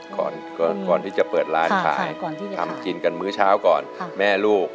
ก่อนที่จะเปิดร้านขายทำกินกันมื้อเช้าก่อนแม่ลูก